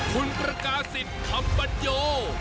คุณประกาศิษย์คำปัญโย